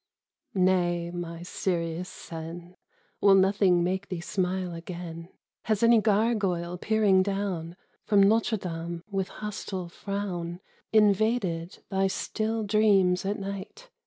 Nay, my serious Seine, Will nothing make thee smile again ? Has any gargoyle peering down From Notre Dame with hostile frown, Invaded thy still dreams at night?